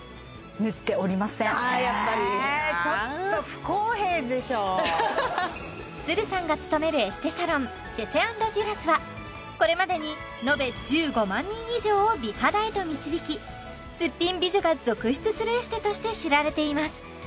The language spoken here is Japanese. やっぱりさんが勤めるエステサロンチェセ＆デュラスはこれまでにのべ１５万人以上を美肌へと導きすっぴん美女が続出するエステとして知られています